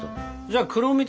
じゃあ黒蜜